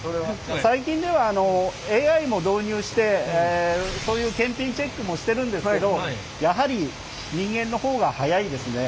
最近ではＡＩも導入してそういう検品チェックもしてるんですけどやはり人間の方が早いですね。